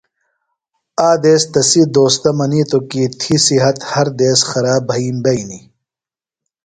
آک دیس تسی دوستہ منیتوۡ کی تھی صِحت ہر دیس خراب بھئیم بئینیۡ۔